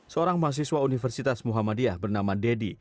seorang mahasiswa universitas muhammadiyah bernama deddy